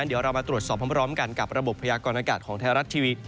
เดี๋ยวเรามาตรวจสอบพร้อมกันกับระบบพยากรณากาศของไทยรัฐทีวี